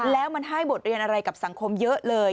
แล้วมันให้บทเรียนอะไรกับสังคมเยอะเลย